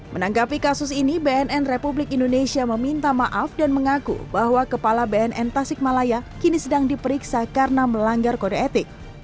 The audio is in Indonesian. menanggapi kasus ini bnn republik indonesia meminta maaf dan mengaku bahwa kepala bnn tasikmalaya kini sedang diperiksa karena melanggar kode etik